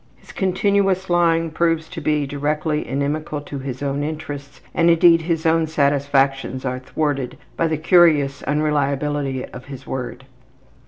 His continuous lying proves to be directly inimical to his own interests and, indeed, his own satisfactions are thwarted by the curious unreliability of his word.